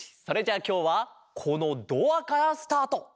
それじゃあきょうはこのドアからスタート！